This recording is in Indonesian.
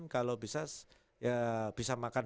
kalau bisa ya bisa makan